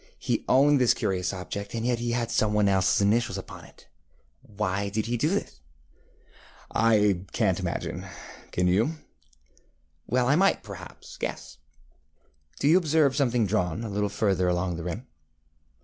He owned this curious object, and yet he had some one elseŌĆÖs initials upon it. Why did he do this? ŌĆØ ŌĆ£I canŌĆÖt imagine; can you? ŌĆØ ŌĆ£Well, I might, perhaps, guess. Do you observe something drawn a little further along the rim?